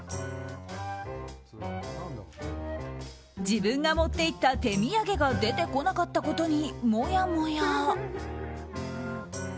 自分が持っていった手土産が出てこなかったことにもやもや。